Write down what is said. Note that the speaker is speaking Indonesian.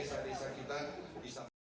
heri supandi bengkulu